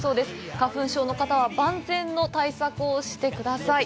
花粉症の方は万全の対策をしてください。